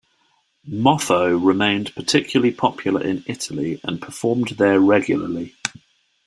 Moffo remained particularly popular in Italy and performed there regularly.